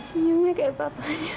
senyumnya kayak papanya